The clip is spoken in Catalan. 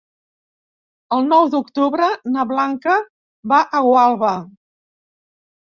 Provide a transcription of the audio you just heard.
El nou d'octubre na Blanca va a Gualba.